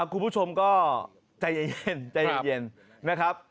คุณผู้ชมก็ใจเย็นนะครับ